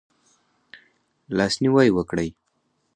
لاس نیوی وکړئ